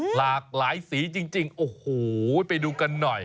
หลากหลายสีจริงโอ้โหไปดูกันหน่อย